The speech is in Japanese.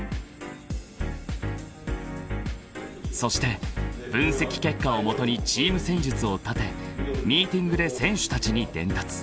［そして分析結果を基にチーム戦術を立てミーティングで選手たちに伝達］